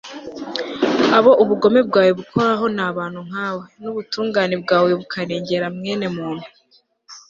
abo ubugome bwawe bukoraho ni abantu nkawe, n'ubutungane bwawe bukarengera mwene muntu